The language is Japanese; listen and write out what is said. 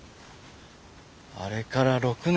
あれから６年。